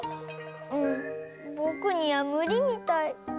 うんぼくにはむりみたい。